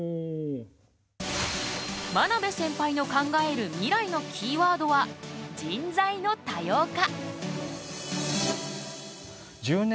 真鍋センパイの考える未来のキーワードは「人材の多様化」。